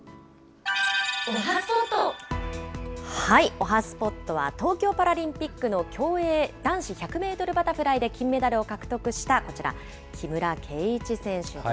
おはＳＰＯＴは、東京パラリンピックの競泳男子１００メートルバタフライで金メダルを獲得した、こちら、木村敬一選手です。